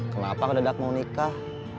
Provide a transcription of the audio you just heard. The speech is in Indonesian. kenapa kau tidak mau nikah